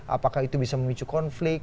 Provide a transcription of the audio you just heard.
apakah itu bisa memicu konflik